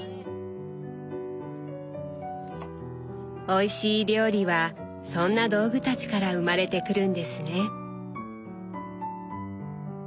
おいしい料理はそんな道具たちから生まれてくるんですね。